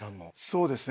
そうですね。